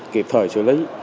kịp thời xử lý